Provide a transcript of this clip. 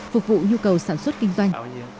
phục vụ nhu cầu sản xuất kinh doanh